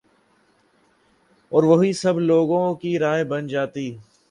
اور وہی سب لوگوں کی رائے بن جاتی